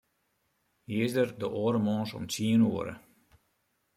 Hy is der de oare moarns om tsien oere.